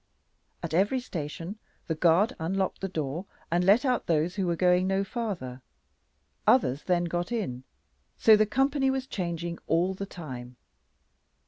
At every station, the guard unlocked the door and let out those who were going no farther. Others then got in, so the company was changing all the time.